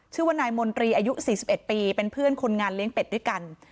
ชื่อว่านายมนตรีอายุ๔๑ปีเป็นเพื่อนคนงานเลี้ยงเป็ดด้วยกัน